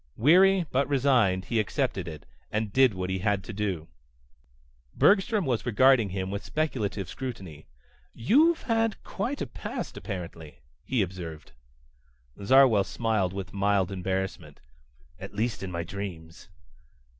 Weary but resigned he accepted it, and did what he had to do ... Bergstrom was regarding him with speculative scrutiny. "You've had quite a past, apparently," he observed. Zarwell smiled with mild embarrassment. "At least in my dreams."